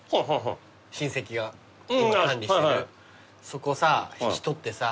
そこさ引き取ってさ